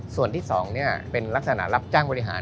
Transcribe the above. ส่วนที่๒เป็นลักษณะรับจ้างบริหาร